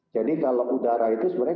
jadi kalau udara itu sebenarnya